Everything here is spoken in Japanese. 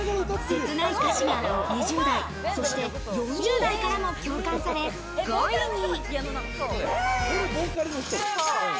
切ない歌詞が２０代、そして４０代からも共感され、５位に。